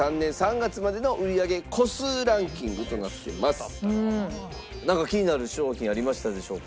今回なんか気になる商品ありましたでしょうか？